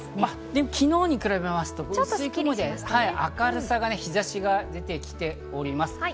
でも昨日に比べますと明るさが、日差しが出てきております。